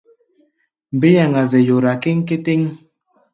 Mbé yaŋa-zɛ yora kéŋkétéŋ.